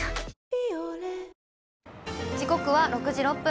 「ビオレ」時刻は６時６分。